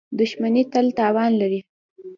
• دښمني تل تاوان لري.